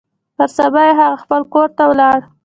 پر سبا يې هغه خپل کور ته ولاړ.